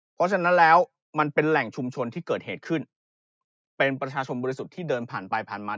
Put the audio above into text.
เพราะฉะนั้นแล้วมันเป็นแหล่งชุมชนที่เกิดเหตุขึ้นเป็นประชาชนบริสุทธิ์ที่เดินผ่านไปผ่านมา